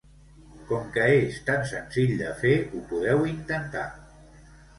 Com que és tan senzill de fer, ho podeu intentar.